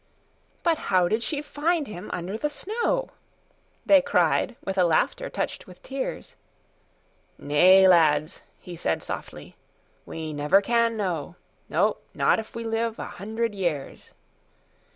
"But how did she find him under the snow?"They cried with a laughter touched with tears."Nay, lads," he said softly, "we never can know—"No, not if we live a hundred years.